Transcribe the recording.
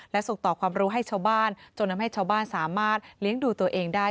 และส่งต่อความรู้ให้ชาวบ้านจนทำให้ชาวบ้านสามารถเลี้ยงดูตัวเองได้